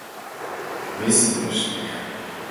— Вес серыште.